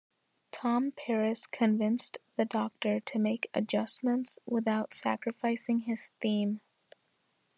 Tom Paris convinced The Doctor to make adjustments without sacrificing his theme.